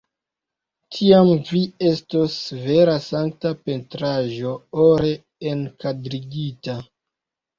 Tiam vi estos vera sankta pentraĵo, ore enkadrigita!